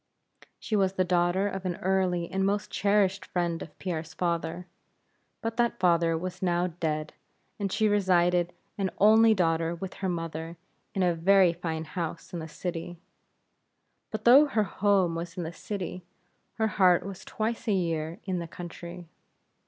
She was the daughter of an early and most cherished friend of Pierre's father. But that father was now dead, and she resided an only daughter with her mother, in a very fine house in the city. But though her home was in the city, her heart was twice a year in the country.